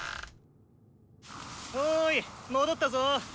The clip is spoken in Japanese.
おい戻ったぞ。